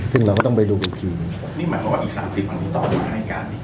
ซึ่งเราก็ต้องไปดูนี่หมายความว่าอีกสามสิบวันนี้ต่อมาให้การ